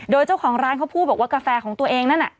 โดยเจ้าของร้านเขาพูดบอกว่ากาแฟของตัวเองนั่นน่ะ